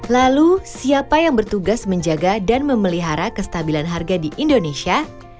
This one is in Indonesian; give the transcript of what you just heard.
lalu siapa yang bertugas menjaga dan memelihara kestabilan harga di indonesia